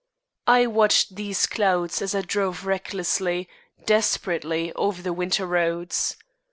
I watched these clouds as I drove recklessly, desperately, over the winter roads.